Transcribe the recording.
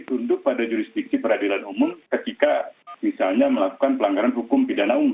tunduk pada jurisdiksi peradilan umum ketika misalnya melakukan pelanggaran hukum pidana umum